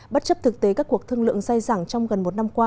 bất chấp thực tế các cuộc thương lượng dai dẳng trong gần một năm qua